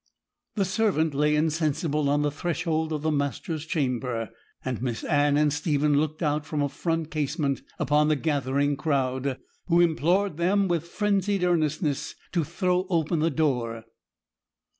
The servant lay insensible on the threshold of the master's chamber; and Miss Anne and Stephen looked out from a front casement upon the gathering crowd, who implored them, with frenzied earnestness, to throw open the door.